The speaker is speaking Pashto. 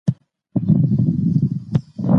د موضوع له مخي څېړني په بیلابیلو برخو ویشل کیږي.